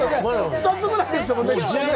２つぐらいですもんね。